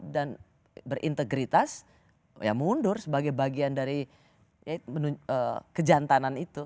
dan berintegritas ya mundur sebagai bagian dari kejantanan itu